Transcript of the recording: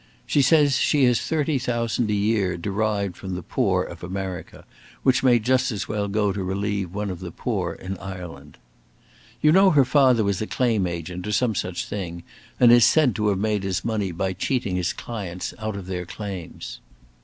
She says she has thirty thousand a year derived from the poor of America, which may just as well go to relieve one of the poor in Ireland. You know her father was a claim agent, or some such thing, and is said to have made his money by cheating his clients out of their claims.